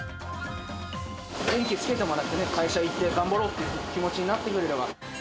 元気つけてもらってね、会社行って頑張ろうという気持ちになってくれれば。